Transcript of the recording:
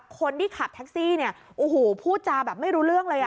คนที่ขับแท็กซี่เนี่ยโอ้โหพูดจาแบบไม่รู้เรื่องเลยอ่ะ